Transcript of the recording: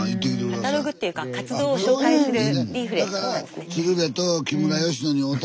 スタジオカタログっていうか活動を紹介するリーフレットなんですね。